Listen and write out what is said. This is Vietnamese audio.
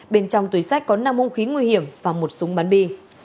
bên trong túi sách có năm hung khí nguy hiểm và một súng bắn bi